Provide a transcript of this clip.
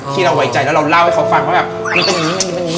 ที่เราไว้ใจแล้วเราเล่าให้เขาฟังว่าแบบมันเป็นงี้มันเป็นงี้